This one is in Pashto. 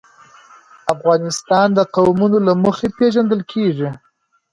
افغانستان د قومونه له مخې پېژندل کېږي.